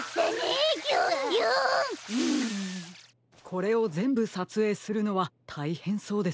これをぜんぶさつえいするのはたいへんそうですね。